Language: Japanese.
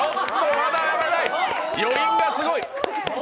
余韻がすごい。